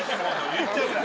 言っちゃうぐらい。